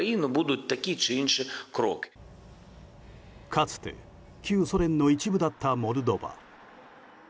かつて旧ソ連の一部だったモルドバ。